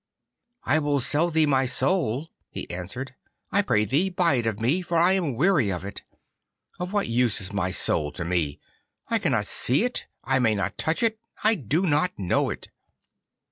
'I will sell thee my soul,' he answered. 'I pray thee buy it of me, for I am weary of it. Of what use is my soul to me? I cannot see it. I may not touch it. I do not know it.